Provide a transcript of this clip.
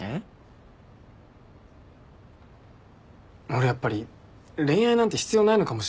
俺やっぱり恋愛なんて必要ないのかもしれない。